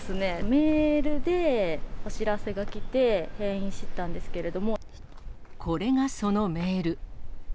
メールでお知らせが来て、これがそのメール。